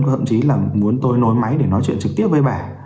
hoặc thậm chí là muốn tôi nối máy để nói chuyện trực tiếp với bà